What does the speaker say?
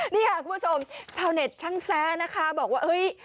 นี่ค่ะคุณผู้ชมเช่าเน็ตช่างแซ้นะคะบอกว่า